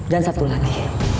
dan satu lagi